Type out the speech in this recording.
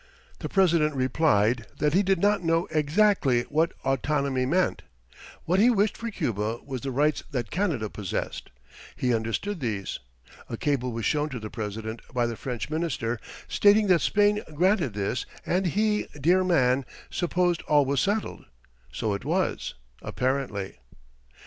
The President replied that he did not know exactly what "autonomy" meant. What he wished for Cuba was the rights that Canada possessed. He understood these. A cable was shown to the President by the French Minister stating that Spain granted this and he, dear man, supposed all was settled. So it was, apparently.